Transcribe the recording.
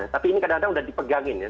tapi ini kadang kadang udah dipegangin ya